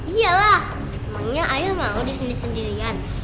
iya lah emangnya ayah mau disini sendirian